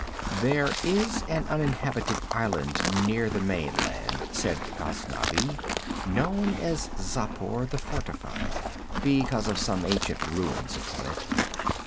'There is an uninhabited island near the mainland,' said Ghaznavi, 'known as Xapur, the Fortified, because of some ancient ruins upon it.